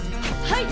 はい！